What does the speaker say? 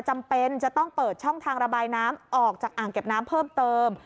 จำเป็นจะต้องเปิดช่องทางระบายน้ำออกจากอ่างเก็บน้ำเพิ่มเติม